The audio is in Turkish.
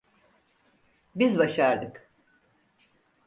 Biz başardık.